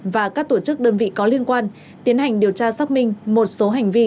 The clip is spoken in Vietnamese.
và các tổ chức đơn vị có liên quan tiến hành điều tra xác minh một số hành vi